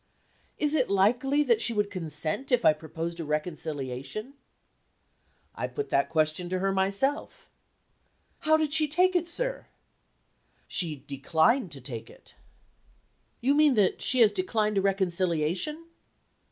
'Is it likely that she would consent, if I proposed a reconciliation?' 'I put that question to her myself.' 'How did she take it, sir?' 'She declined to take it.' 'You mean that she declined a reconciliation?